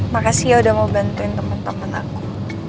makasih ya udah mau bantuin temen temen aku